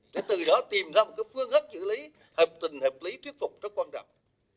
để từ đó tìm ra một phương thức xử lý hợp tình hợp lý thuyết phục rất quan trọng